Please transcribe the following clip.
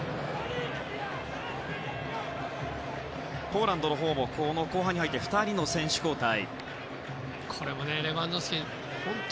ポーランドのほうも後半に入って２人の選手交代。